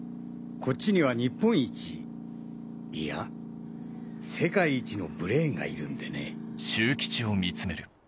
こっちには日本一いや世界一のブレーンがいるんでね。